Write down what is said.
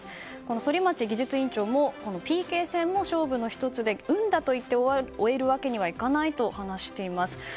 反町技術委員長もＰＫ戦も勝負の１つで運だといって終えるわけにはいかないと話しています。